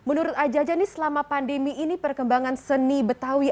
menurut ayah jajah nih selama pandemi ini perkembangan seni betawi